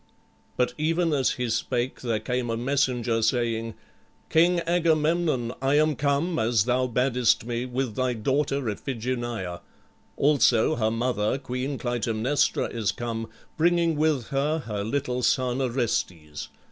But even as he spake there came a messenger, saying, "King Agamemnon, I am come, as thou badest me, with thy daughter Iphigenia. Also her mother, Queen Clytæmnestra, is come, bringing with her her little son Orestes.